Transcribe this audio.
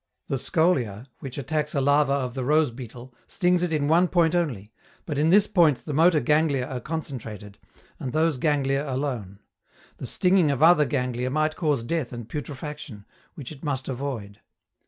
The Scolia, which attacks a larva of the rose beetle, stings it in one point only, but in this point the motor ganglia are concentrated, and those ganglia alone: the stinging of other ganglia might cause death and putrefaction, which it must avoid.